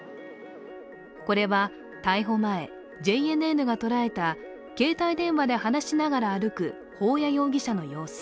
これは逮捕前、ＪＮＮが捉えた携帯電話で話ながら歩く、保谷容疑者の様子。